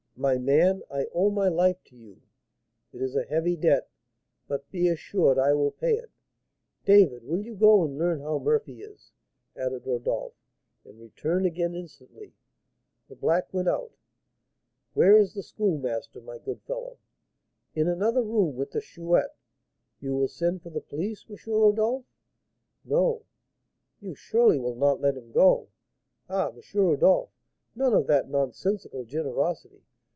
"My man, I owe my life to you; it is a heavy debt, but be assured I will pay it. David, will you go and learn how Murphy is," added Rodolph, "and return again instantly?" The black went out. "Where is the Schoolmaster, my good fellow?" "In another room, with the Chouette. You will send for the police, M. Rodolph?" "No." "You surely will not let him go! Ah, M. Rodolph, none of that nonsensical generosity!